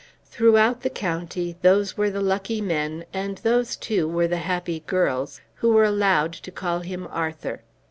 Throughout the county those were the lucky men, and those too were the happy girls, who were allowed to call him Arthur.